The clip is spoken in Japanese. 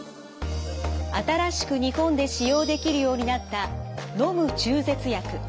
新しく日本で使用できるようになった「のむ中絶薬」。